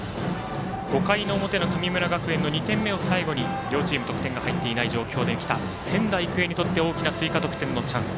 ５回の表の神村学園の２点を最後に両チーム得点が入っていない状況できた仙台育英にとって大きな追加得点のチャンス。